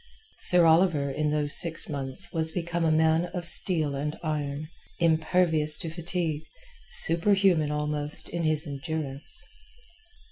Sir Oliver in those six months was become a man of steel and iron, impervious to fatigue, superhuman almost in his endurance.